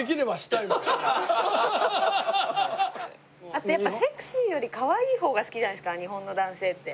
あとやっぱセクシーよりかわいい方が好きじゃないですか日本の男性って。